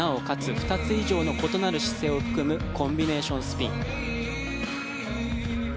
２つ以上の異なる姿勢を含むコンビネーションスピン。